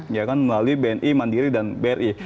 ya kan melalui bni mandiri dan bri